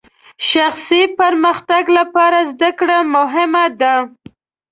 شخصي پرمختګ لپاره زدهکړه مهمه ده.